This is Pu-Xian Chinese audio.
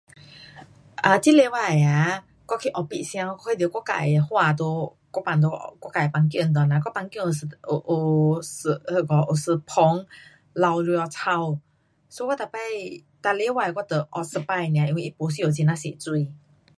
um 这礼拜啊，我去 office 时间我看到我自的花在,我放在我自的房间内呐，我房间有，有那个有一盆老蛇草，so 我每次，每礼拜我就浇一次水 nia，因为它不需要很呀多水。